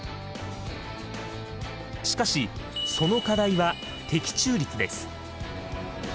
しかしその課題は的中率です。